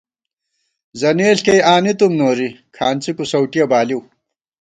زنېݪ کېئ آنی تُوم نوری، کھانڅی کُوسؤ ٹِیہ بالِیؤ